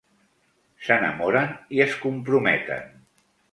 S'enamoren i es comprometen.